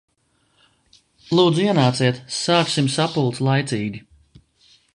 Lūdzu ienāciet, sāksim sapulci laicīgi.